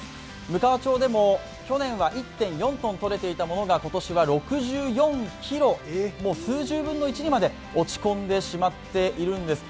むかわ町でも去年は１．４ｔとれていたものが今年は６４ｋｇ、もう数十分の１にまで落ち込んでしまっているんです。